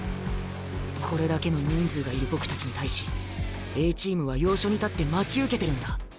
これだけの人数がいる僕たちに対しＡチームは要所に立って待ち受けてるんだ。